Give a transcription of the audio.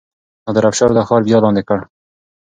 نادر افشار دا ښار بیا لاندې کړ.